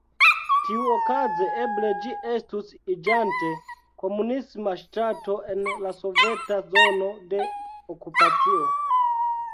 Tiuokaze, eble ĝi estus iĝante komunisma ŝtato en la soveta zono de okupacio.